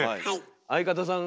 相方さん